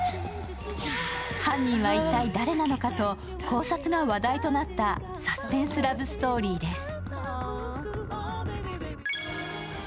犯人は一体誰なのかと考察が話題となったサスペンスラブストーリーです。